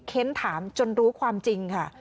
เค้นถามจนรู้ความจริงค่ะ